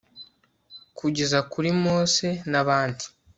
kugeza kuri mose nabandi